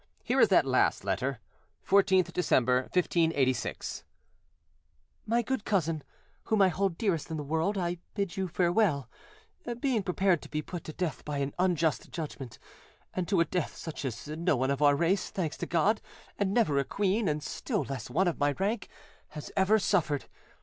Here is that last letter:— 14th December, 1586 "My Good Cousin, whom I hold dearest in the world, I bid you farewell, being prepared to be put to death by an unjust judgment, and to a death such as no one of our race, thanks to God, and never a queen, and still less one of my rank, has ever suffered.